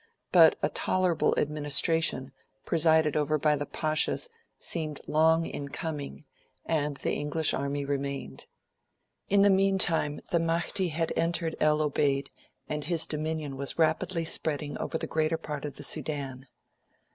But a tolerable administration, presided over by the Pashas, seemed long in coming, and the English army remained. In the meantime, the Mahdi had entered El Obeid, and his dominion was rapidly spreading over the greater part of the Sudan.